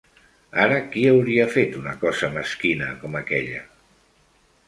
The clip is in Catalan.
Ara qui hauria fet una cosa mesquina com aquella?